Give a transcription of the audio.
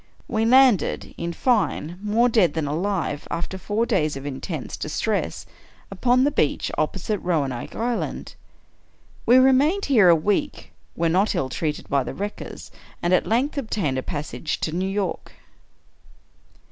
We landed, in fine, more dead than alive, after four days of intense distress, upon the beach opposite Roanoke Is land. We remained here a week, were not ill treated by the wreckers, and at length obtained a passage to New York.